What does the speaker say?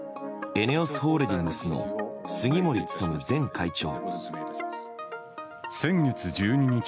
ＥＮＥＯＳホールディングスの杉森務前会長。